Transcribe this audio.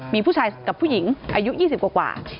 มีผู้ชายกับผู้หญิงอายุ๒๐กว่า